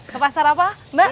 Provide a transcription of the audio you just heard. ke pasar apa mbak